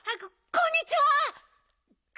こんにちは！